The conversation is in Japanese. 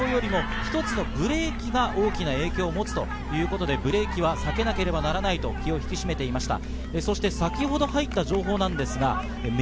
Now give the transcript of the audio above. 予選会ですが、一つの構想よりも一つのブレーキが大きな影響を持つということでブレーキは避けなければならないと、気を引き締めていました。